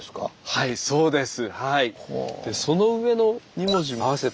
はいそうです。